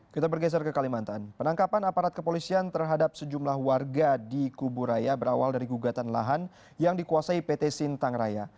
kita bergeser ke kalimantan penangkapan aparat kepolisian terhadap sejumlah warga di kuburaya berawal dari gugatan lahan yang dikuasai pt sintang raya